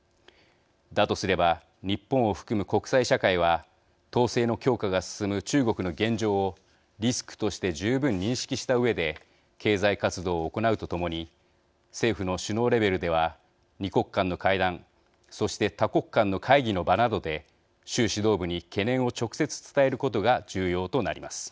だとすれば日本を含む国際社会は統制の強化が進む中国の現状をリスクとして十分認識したうえで経済活動を行うとともに政府の首脳レベルでは２国間の会談そして多国間の会議の場などで習指導部に懸念を直接伝えることが重要となります。